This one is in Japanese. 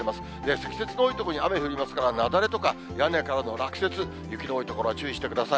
積雪の多い所に雨降りますから、雪崩とか屋根からの落雪、雪の多い所は注意してください。